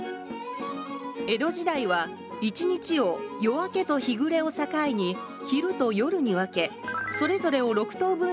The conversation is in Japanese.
江戸時代は一日を夜明けと日暮れを境に昼と夜に分けそれぞれを６等分した時間が使われていました。